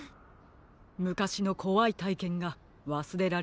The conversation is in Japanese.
むかしのこわいたいけんがわすれられないのですね。